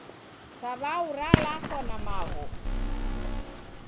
Saw'au ralaswa na magho.